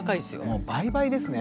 もう倍々ですね。